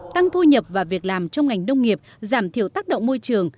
tăng thu nhập và việc làm trong ngành nông nghiệp giảm thiểu tác động môi trường